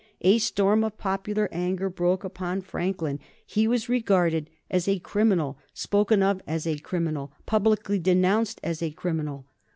A storm of popular anger broke upon Franklin. He was regarded as a criminal, spoken of as a criminal, publicly denounced as a criminal.